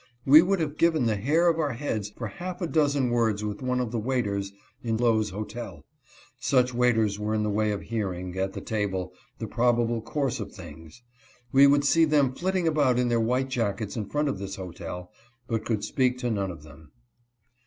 We would have given the hair of our heads for half a dozen words with one of the waiters in Sol. Lowe's hotel. Such waiters were in the way of hearing, at the table, the probable course of things. We could see them flit ting about in their white jackets in front of this hotel, but could speak to none of them.